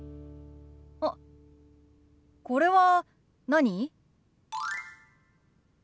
あっこれは何？